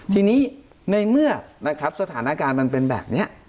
ทีนี้ในเมื่อนะครับสถานการณ์มันเป็นแบบนี้